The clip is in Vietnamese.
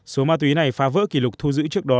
số ma túy này phá vỡ kỷ lục thu giữ trước đó